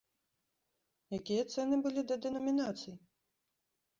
Якія цэны былі да дэнамінацый?